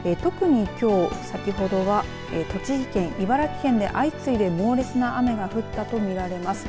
特にきょう、先ほどは栃木県、茨城県で相次いで猛烈な雨が降ったと見られます。